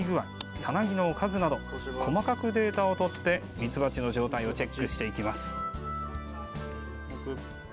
さなぎの数など細かくデータをとってミツバチの状態をチェックしていきます。